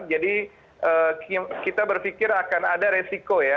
jadi kita berpikir akan ada resiko ya